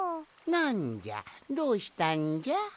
なんじゃどうしたんじゃ？